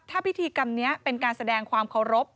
ถ้าพิธีกรรมนี้เป็นการแสดงความเคารพ